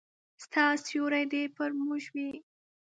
ستا سیوری دي پر موږ وي